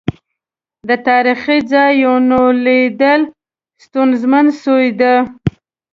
د تاريخي ځا يونوليدل ستونزمن سويدی.